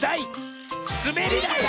「すべりだい」！